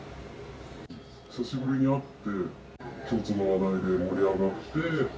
久しぶりに会って、共通の話題で盛り上がって。